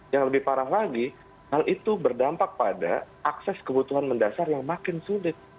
yang lebih parah lagi hal itu berdampak pada akses kebutuhan mendasar yang makin sulit